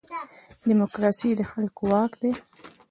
دیموکراسي د خلکو واک دی